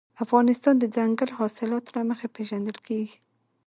افغانستان د دځنګل حاصلات له مخې پېژندل کېږي.